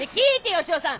吉雄さん！